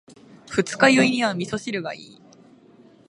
二日酔いには味噌汁がいい。